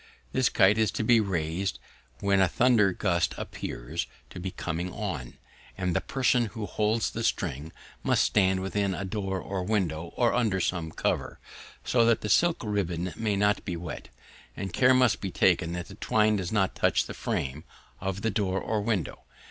This kite is to be raised when a thunder gust appears to be coming on, and the person who holds the string must stand within a door or window, or under some cover, so that the silk ribbon may not be wet; and care must be taken that the twine does not touch the frame of the door or window.